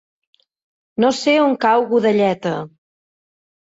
No sé on cau Godelleta.